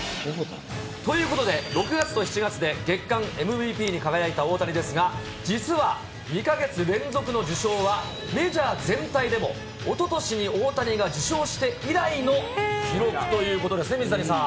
ということで、６月と７月で月間ＭＶＰに輝いた大谷ですが、実は、２か月連続の受賞はメジャー全体でも、おととしに大谷が受賞して以来の記録ということですね、水谷さん。